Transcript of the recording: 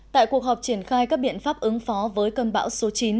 tại cuộc họp triển khai các biện pháp ứng phó với cơn bão số chín